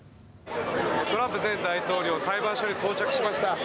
トランプ前大統領裁判所に到着しました。